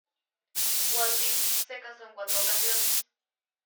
Wilding se casó en cuatro ocasiones.